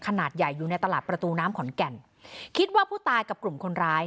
ขนาดใหญ่อยู่ในตลาดประตูน้ำขอนแก่นคิดว่าผู้ตายกับกลุ่มคนร้าย